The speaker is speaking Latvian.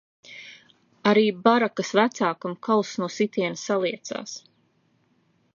Arī barakas vecākam kauss no sitiena saliecās.